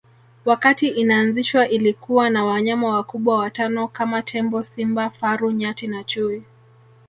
Wakati inaanzishwa ilikuwa na wanyama wakubwa watano kama tembo simba faru nyati na chui